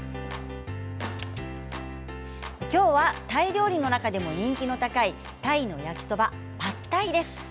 きょうはタイ料理の中でも人気が高いタイの焼きそばパッタイです。